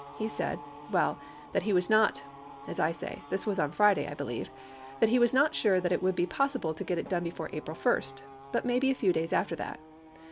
He said, well, that he was not — as I say, this was on Fri day, I believe — that he was not sure that it would be possible to get it done before April 1. But maybe a few days after that.